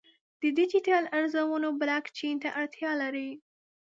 د ډیجیټل ارزونه بلاکچین ته اړتیا لري.